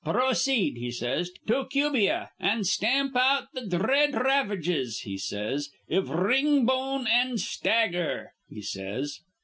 'Pro ceed,' he says, 'to Cubia, an' stamp out th' dhread ravages,' he says, 'iv r ringbone an' stagger,' he says.